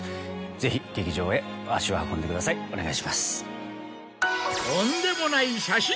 ぜひ劇場へ足を運んでくださいお願いします。